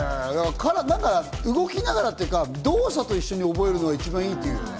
動きながらっていうか、動作と一緒に覚えるのが一番いいっていうよね。